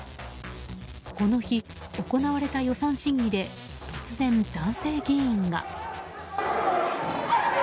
この日、行われた予算審議で突然、男性議員が。